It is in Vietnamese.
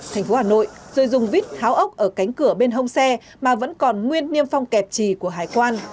thành phố hà nội rồi dùng vít tháo ốc ở cánh cửa bên hông xe mà vẫn còn nguyên niêm phong kẹp trì của hải quan